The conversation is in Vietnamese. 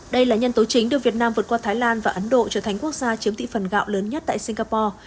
đây là nhân tố chính đưa việt nam vượt qua thái lan và ấn độ trở thành quốc gia chiếm thị phần gạo lớn nhất tại singapore